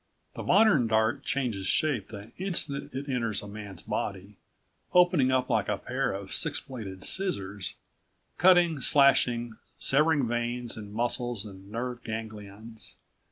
The modern dart changes shape the instant it enters a man's body, opening up like a pair of six bladed scissors, cutting, slashing, severing veins and muscles and nerve ganglions.